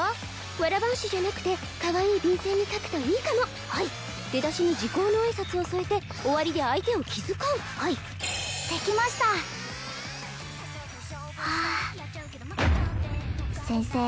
わら半紙じゃなくてかわいい便せんに書くといいかもはい出だしに時候の挨拶を添えて終わりで相手を気遣うはい出来ましたわあ先生